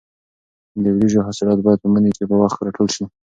د وریژو حاصلات باید په مني کې په وخت راټول شي.